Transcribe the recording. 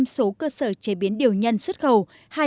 một trăm linh số cơ sở chế biến điều nhân xuất khẩu